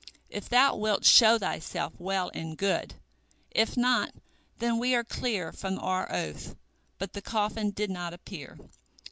If thou wilt show thyself, well and good; if not, then we are clear from our oath." But the coffin did not appear.